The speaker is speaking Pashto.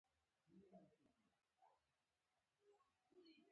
ټول باید پارلمان ته خپل حق ورکړي.